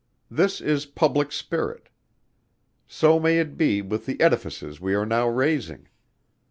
This is Public Spirit. So may it be with the Edifices we are now raising!